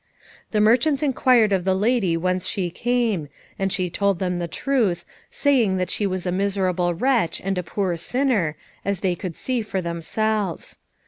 The merchants inquired of the lady whence she came, and she told them the truth, saying that she was a miserable wretch and a poor sinner, as they could see for themselves.